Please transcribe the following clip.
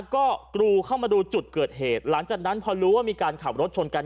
ก็กรูเข้ามาดูจุดเกิดเหตุหลังจากนั้นพอรู้ว่ามีการขับรถชนกัน